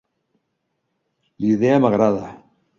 La idea m'agrada.